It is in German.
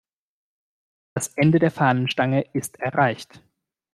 Das Ende der Fahnenstange ist erreicht.